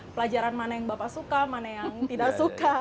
pelajaran mana yang bapak suka mana yang tidak suka